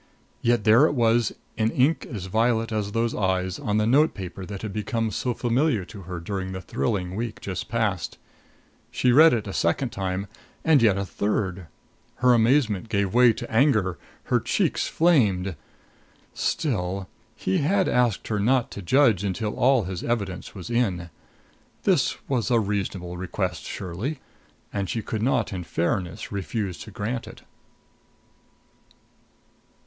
Yet there it was, in ink as violet as those eyes, on the note paper that had become so familiar to her during the thrilling week just past. She read it a second time, and yet a third. Her amazement gave way to anger; her cheeks flamed. Still he had asked her not to judge until all his evidence was in. This was a reasonable request surely, and she could not in fairness refuse to grant it.